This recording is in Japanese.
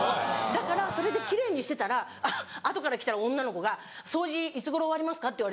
だからそれで奇麗にしてたら後から来た女の子が「掃除いつ頃終わりますか？」って言われて。